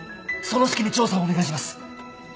その隙に調査をお願いします。